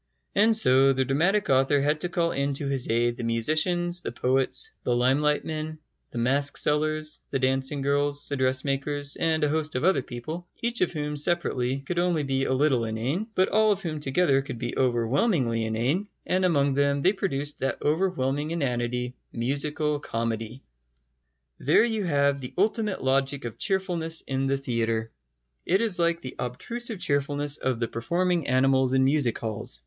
And so the dramatic author had to call in to his aid the musicians, the poets, the limelight men, the mask sellers, the dancing girls, the dressmakers, and a host of other people, each of whom separately could only be a little inane, but all of whom together could be overwhelmingly inane; and among them they produced that overwhelming inanity, musical comedy. There you have the ultimate logic of cheerfulness in the theatre. It is like the obtrusive cheerfulness of the performing animals in music halls.